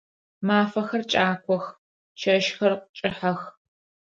Мафэхэр кӏакох, чэщхэр кӏыхьэх.